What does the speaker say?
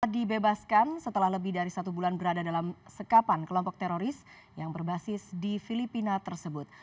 dibebaskan setelah lebih dari satu bulan berada dalam sekapan kelompok teroris yang berbasis di filipina tersebut